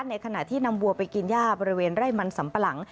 ในขณะที่นำวัวไปกินย่าบริเวณไร่มันสัมปะหลัง